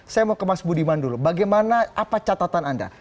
saya mau ke mas budiman dulu bagaimana apa catatan anda